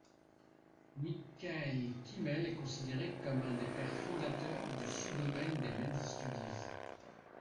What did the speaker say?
Michael Kimmel est considéré comme un des pères fondateurs du sous-domaine des men's studies.